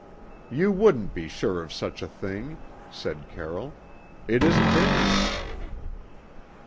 "You wouldn't be sure of such a thing," said Carroll. "It isn't in you."